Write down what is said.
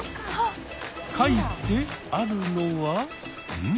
書いてあるのはん？